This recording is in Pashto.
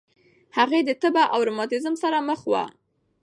هغې د تبه او روماتیسم سره مخ وه.